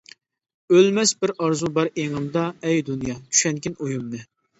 ئۆلمەس بىر ئارزۇ بار ئېڭىمدا، ئەي دۇنيا، چۈشەنگىن ئويۇمنى.